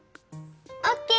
オッケー！